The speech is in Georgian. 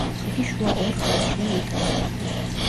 იგი შუა ორ ხაზშია მოთავსებული.